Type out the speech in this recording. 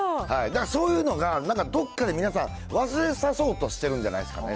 だからそういうのが、なんかどっかで皆さん、忘れさそうとしてるんじゃないですかね。